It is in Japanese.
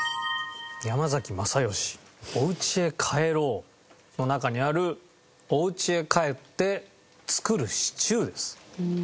山崎まさよし『お家へ帰ろう』の中にあるお家へ帰って作るシチューです。